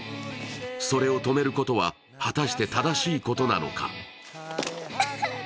それを止めることは果たして正しいことなのか。